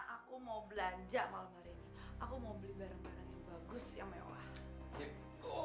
aku nggak rela cucuku dijadikan alat bagi dosa dosa kalian